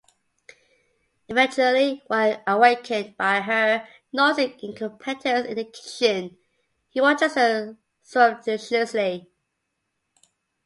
Eventually awakened by her noisy incompetence in the kitchen, he watches her surreptitiously.